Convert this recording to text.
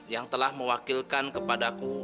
yang telah mewakilkan kepadaku